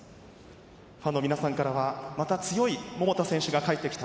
ファンの皆さんからはまた強い桃田選手が帰ってきた。